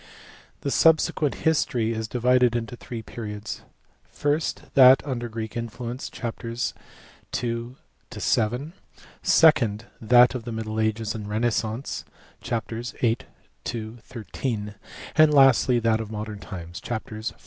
The subsequent history is divided into three periods: first, that under Greek influence, chapters II. to VII.; second, that of the middle ages and renaissance, chapters VIII. to xiii.; and lastly that of modern times, chapters XIV.